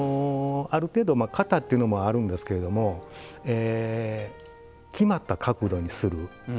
ある程度型っていうのもあるんですけれども決まった角度にする。